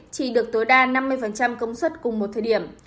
chỉ được tối đa năm mươi công suất cùng một thời điểm